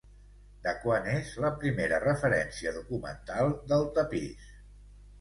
De quant és la primera referència documental del tapís?